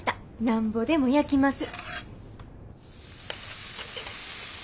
なんぼでも焼きます。